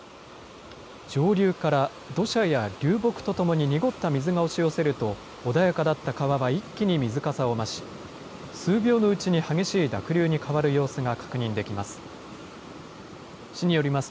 上流から土砂や流木とともに濁った水が押し寄せると、穏やかだった川は一気に水かさを増し、数秒のうちに激しい濁流に変わる様子が確認できます。